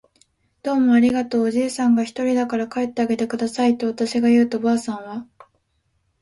「どうもありがとう。」おじいさんがひとりだから帰ってあげてください。」とわたしが言うと、ばあさんは